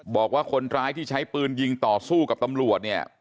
บอกว่าคนร้ายที่ใช้ปืนยิงต่อสู้กับตำรวจเนี่ย